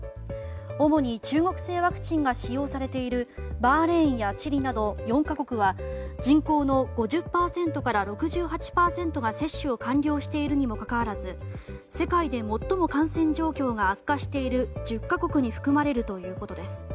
主に中国製ワクチンが使用されているバーレーンやチリなど４か国は人口の５０％から６８％が接種を完了しているにもかかわらず世界で最も感染状況が悪化している１０か国に含まれるということです。